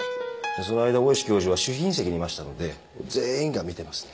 その間大石教授は主賓席にいましたので全員が見てますね。